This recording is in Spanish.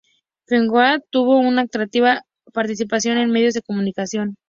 Figueroa tuvo una activa participación en medios de comunicación.